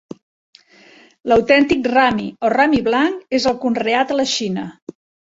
L'autèntic rami o rami blanc és el conreat a la Xina.